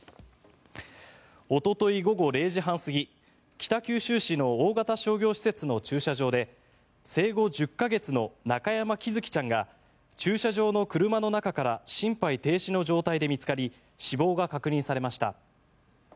おととい午後０時半過ぎ北九州市の大型商業施設の駐車場で生後１０か月の中山喜寿生ちゃんが駐車場の車の中から心肺停止の状態で見つかり死亡が確認されました。